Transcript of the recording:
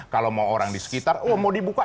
kalau mau orang di sekitar oh mau dibuka